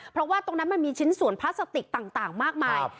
เพราะว่าตรงนั้นมันมีชิ้นส่วนพลาสติกต่างมากมาย